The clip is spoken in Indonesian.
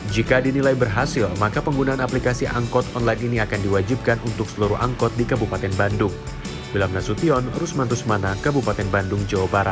jika dinilai berhasil maka penggunaan aplikasi angkut online ini akan diwajibkan untuk seluruh angkot di kabupaten bandung